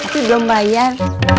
aku belum bayar